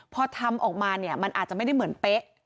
พอทำออกมาเนี่ยมันอาจจะไม่ได้เหมือนเป๊ะ